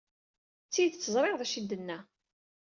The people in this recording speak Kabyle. D tidet ẓriɣ d acu ay d-yenna.